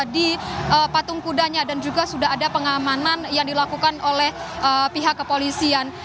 di patung kudanya dan juga sudah ada pengamanan yang dilakukan oleh pihak kepolisian